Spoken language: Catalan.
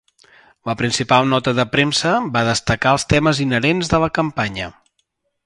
La principal nota de premsa va destacar els temes inherents de la campanya.